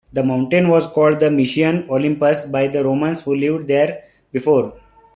The mountain was called the Mysian Olympus by the Romans who lived there before.